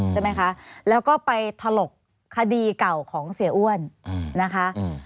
ใช่ไหมคะแล้วก็ไปถลกคดีเก่าของเสียอ้วนนะคะ